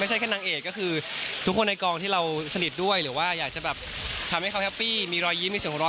เห็นล่าสุดละครลูกกุ้ง